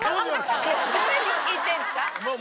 誰に聞いてるんですか？